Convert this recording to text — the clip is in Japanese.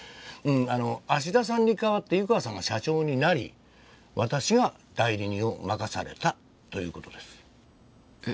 あの芦田さんに代わって湯川さんが社長になり私が代理人を任されたという事です。え？